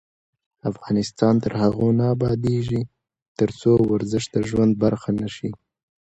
افغانستان تر هغو نه ابادیږي، ترڅو ورزش د ژوند برخه نشي.